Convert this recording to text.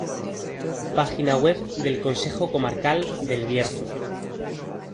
Página Web del Consejo Comarcal del Bierzo